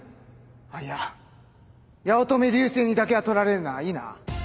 あっいや八乙女流星にだけは取られるないいな？